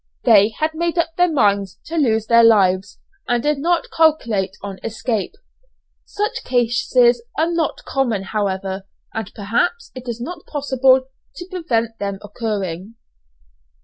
They had made up their minds to lose their lives, and did not calculate on escape. Such cases are not common, however, and perhaps it is not possible to prevent them occurring.